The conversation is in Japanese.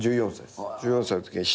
１４歳のときに。